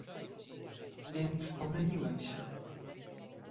"więc omyliłem się!"